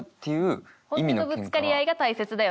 本音のぶつかり合いが大切だよねって話。